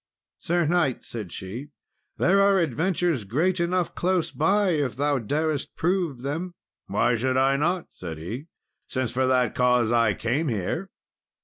"Sir knight," said she, "there are adventures great enough close by if thou darest prove them." "Why should I not," said he, "since for that cause I came here?"